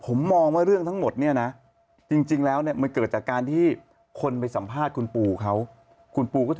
ผมบอกเลยรู้จักทั้งมะตูม